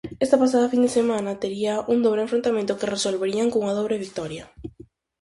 Esta pasada fin de semana tería un dobre enfrontamento que resolverían cunha dobre vitoria.